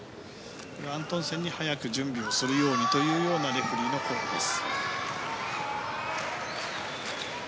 アントンセンに早く準備するようにというようなレフェリーのコールです。